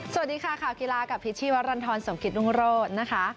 สวัสดีค่ะข่าวกีฬากับพิษชีวรรณฑรสมกิตรุงโรธนะคะ